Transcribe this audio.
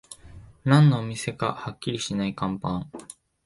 何のお店かはっきりしない看板